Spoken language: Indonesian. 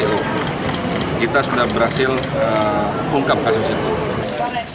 kita sudah berhasil ungkap kasus itu